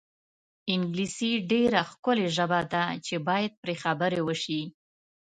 انګلیسي ډېره ښکلې ژبه ده چې باید پرې خبرې وشي.